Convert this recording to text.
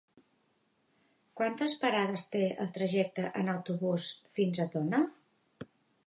Quantes parades té el trajecte en autobús fins a Tona?